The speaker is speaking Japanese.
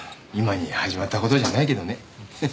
今に始まった事じゃないけどね。